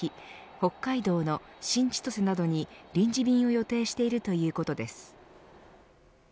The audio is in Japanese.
北海道の新千歳などに臨時便を予定しているということです。